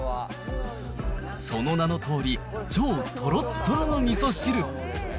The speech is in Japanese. その名のとおり、超とろっとろのみそ汁。